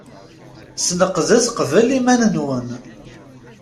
Sneqdet qbel iman-nwen.